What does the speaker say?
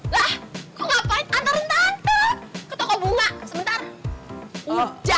lah kok ngapain antarin tante ke toko bunga sebentar